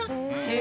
え！